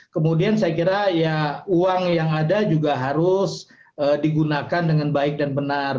kemudian saya kira ya uang yang ada juga harus digunakan dengan baik dan benar